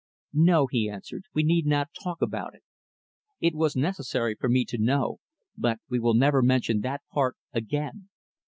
"No," he answered, "we need not talk about it. It was necessary for me to know; but we will never mention that part, again.